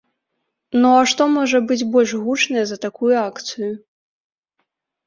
Ну, а што можа быць больш гучнае за такую акцыю?